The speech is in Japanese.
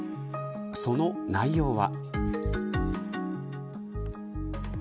その内容は。